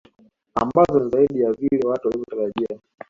Ambazo ni zaidi ya vile watu walivyotarajia